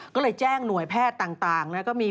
ก็เลยแจ้งหน่วยแพทย์ต่าง